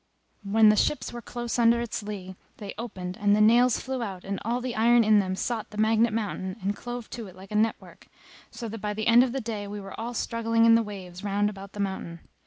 When the ships were close under its lea they opened and the nails flew out and all the iron in them sought the Magnet Mountain and clove to it like a network; so that by the end of the day we were all struggling in the waves round about the mountain.